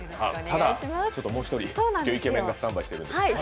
ただ、もう１人、今日イケメンがスタンバイしてるので。